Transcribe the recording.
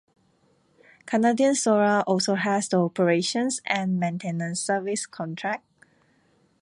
Canadian Solar also has the operations and maintenance services contract.